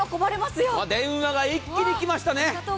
電話が一気に来ましたね。